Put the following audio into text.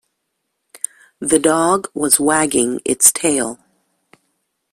The dog was wagged its tail.